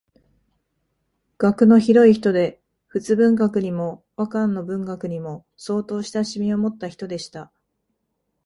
学の広い人で仏文学にも和漢の文学にも相当親しみをもった人でした